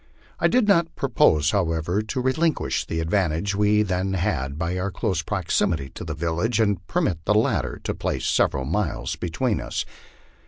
I did not propose, however, to relin quish the advantage we then had by our close proximity to the village, and permit the latter to place several miles between us.